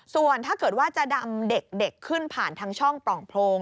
ส่วนถ้าเกิดว่าจะดำเด็กขึ้นผ่านทางช่องปล่องโพรง